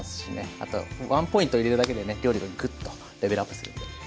あとワンポイント入れるだけでね料理がグッとレベルアップするんで好きなポイントです。